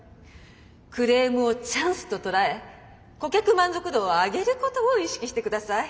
クレームをチャンスと捉え顧客満足度を上げることを意識して下さい。